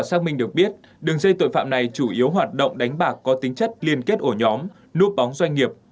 xác minh được biết đường dây tội phạm này chủ yếu hoạt động đánh bạc có tính chất liên kết ổ nhóm núp bóng doanh nghiệp